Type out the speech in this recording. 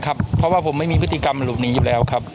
ครับเพราะว่าผมไม่มีพฤติกรรมหลบหนีอยู่แล้วครับ